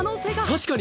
確かに。